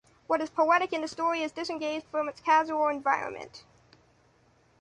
What is poetic in the story is disengaged from its casual environment.